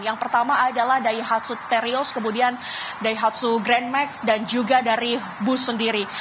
yang pertama adalah daihatsu terios kemudian daihatsu grand max dan juga dari bus sendiri